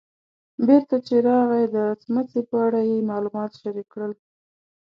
بېرته چې راغی د څمڅې په اړه یې معلومات شریک کړل.